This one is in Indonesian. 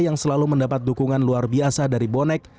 yang selalu mendapat dukungan luar biasa dari bonek